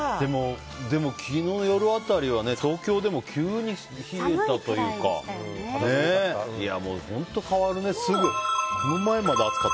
でも、昨日の夜辺りは東京でも急に冷えたというか。